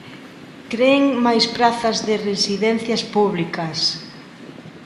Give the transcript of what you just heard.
Creen máis prazas de residencias públicas.